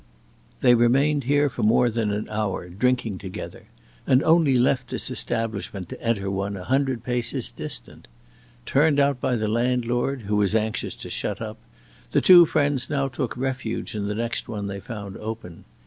They remained here for more than an hour, drinking together; and only left this establishment to enter one a hundred paces distant. Turned out by the landlord, who was anxious to shut up, the two friends now took refuge in the next one they found open.